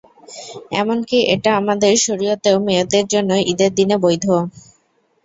এমনকি এটা আমাদের শরীয়তেও মেয়েদের জন্য ঈদের দিনে বৈধ।